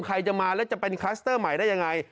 ใครจะมาแล้วจะเป็นคลัสเตอร์ใหม่ได้ยังไง